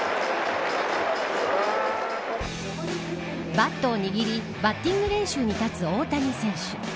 バットを握りバッティング練習に立つ大谷選手。